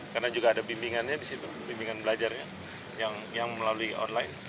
karena juga ada bimbingannya disitu bimbingan belajarnya yang melalui online